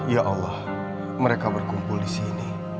ya allah mereka berkumpul di sini